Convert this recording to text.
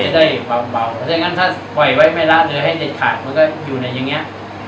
บ๊วยจะได้เบาแล้วยังงั้นถ้าปล่อยไว้ไม่รักหรือให้เด็ดขาดมันก็อยู่ในอย่างนี้